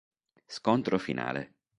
Scontro finale